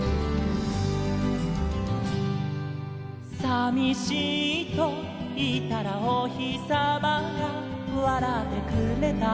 「さみしいといったらおひさまがわらってくれた」